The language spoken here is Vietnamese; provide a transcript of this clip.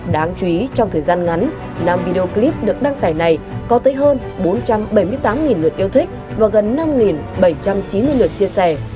đáng chú ý trong thời gian ngắn năm video clip được đăng tải này có tới hơn bốn trăm bảy mươi tám lượt yêu thích và gần năm bảy trăm chín mươi lượt chia sẻ